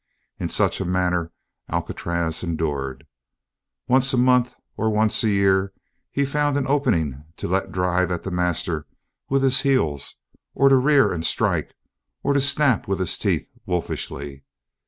In such a manner Alcatraz endured. Once a month, or once a year, he found an opening to let drive at the master with his heels, or to rear and strike, or to snap with his teeth wolfishly.